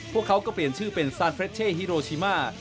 พวกเขาก็เปลี่ยนชื่อเป็นซานเฟรชเช่ฮิโรชิมา